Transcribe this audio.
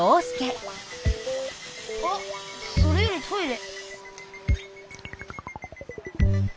あっそれよりトイレ。